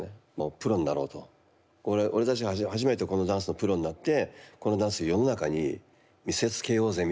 プロになろうと俺たちが初めてこのダンスのプロになってこのダンス世の中に見せつけようぜみたいな。